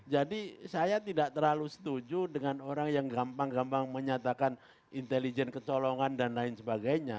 saya tidak terlalu setuju dengan orang yang gampang gampang menyatakan intelijen kecolongan dan lain sebagainya